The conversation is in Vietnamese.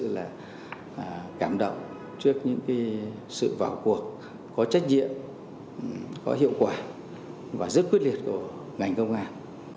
rất là cảm động trước những sự vào cuộc có trách nhiệm có hiệu quả và rất quyết liệt của ngành công an